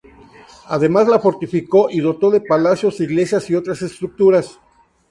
Además la fortificó y dotó de palacios, iglesias y otras estructuras.